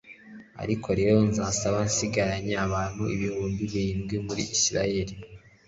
Ariko rero nzaba nsigaranye abantu ibihumbi birindwi mu Isirayeli